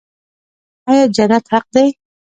آیا جنت حق دی؟